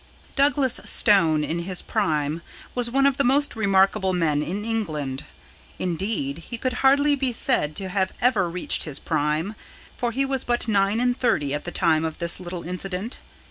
Douglas Stone in his prime was one of the most remarkable men in England. Indeed, he could hardly be said to have ever reached his prime, for he was but nine and thirty at the time of this little incident.